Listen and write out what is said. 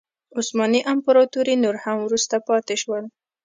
عثماني امپراتوري نور هم وروسته پاتې شول.